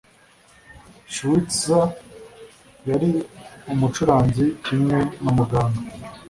Schweitzer yari umucuranzi kimwe na muganga.